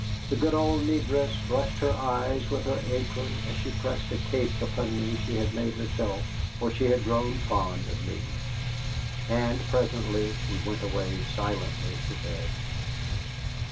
The good old negress brushed her eyes with her apron as she pressed a cake upon me she had made herself, for she had grown fond of me. And presently we went away silently to bed.